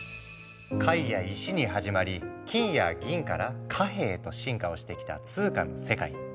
貝や石に始まり金や銀から貨幣へと進化をしてきた通貨の世界。